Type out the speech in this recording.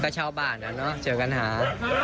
เจอกันหา